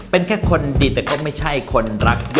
เป็นแค่คนดีแต่ก็ไม่ใช่คนรักด้วย